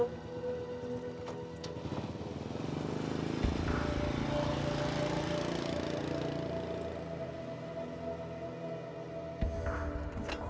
oke mas bantu